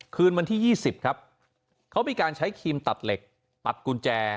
คืนวันที่๒๐ครับเขามีการใช้ครีมตัดเหล็กตัดกุญแจ